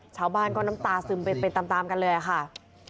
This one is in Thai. ชาวบ้านก็น้ำตาซึมไปตามกันเลยค่ะ